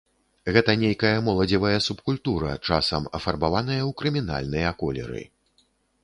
Гэта нейкая моладзевая субкультура, часам афарбаваная ў крымінальныя колеры.